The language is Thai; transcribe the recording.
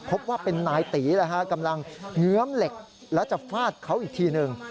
พบว่าเป็นนายตีกำลังเงื้อมเหล็กแล้วจะฟาดเขาอีกทีหนึ่ง